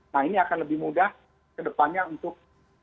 nah ini akan lebih mudah ke depannya untuk